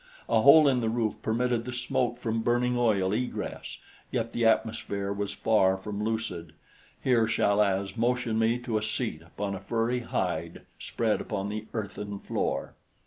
A hole in the roof permitted the smoke from burning oil egress; yet the atmosphere was far from lucid. Here Chal az motioned me to a seat upon a furry hide spread upon the earthen floor.